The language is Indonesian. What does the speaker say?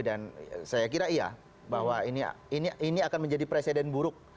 dan saya kira iya bahwa ini akan menjadi presiden buruk